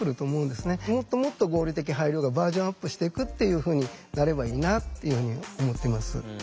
もっともっと合理的配慮がバージョンアップしていくっていうふうになればいいなっていうふうに思ってます。